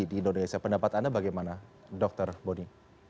pada pendapat anda bagaimana dr boni